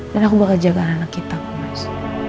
dan aku bakal jaga anak kita mas